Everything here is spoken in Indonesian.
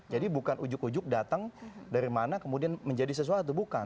jadi bukan ujuk ujuk datang dari mana kemudian menjadi sesuatu bukan